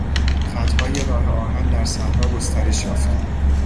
خطهای راه آهن در صحرا گسترش یافت.